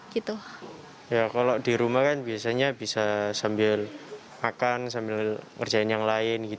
kalau di rumah kan biasanya bisa sambil makan sambil ngerjain yang lain